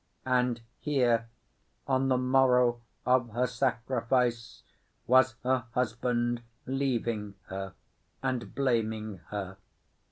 And here—on the morrow of her sacrifice—was her husband leaving her and blaming her.